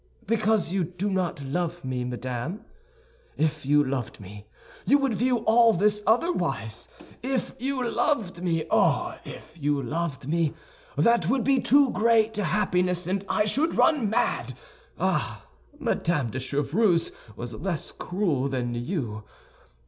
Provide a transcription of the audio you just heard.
"Because you do not love me, madame! If you loved me, you would view all this otherwise. If you loved me, oh, if you loved me, that would be too great happiness, and I should run mad. Ah, Madame de Chevreuse was less cruel than you.